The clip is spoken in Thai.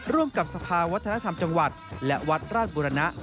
ร่วมกับสภาวัฒนธรรมจังหวัดและวัดราชบุรณะ